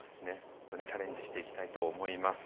チャレンジしていきたいと思います。